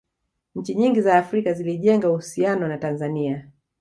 nchi nyingi za afrika zilijenga uhusiano na tanzania